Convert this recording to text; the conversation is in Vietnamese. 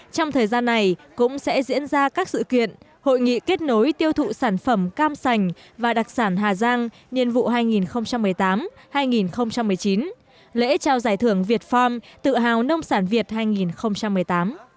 trong thời gian này cũng sẽ diễn ra các sự kiện hội nghị kết nối tiêu thụ sản phẩm cam sành và đặc sản hà giang nhiên vụ hai nghìn một mươi tám hai nghìn một mươi chín lễ trao giải thưởng việt farm tự hào nông sản việt hai nghìn một mươi tám